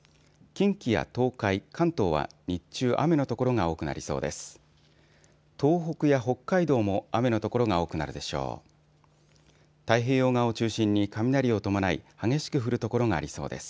近畿や東海、関東は日中、雨の所が多くなりそうです。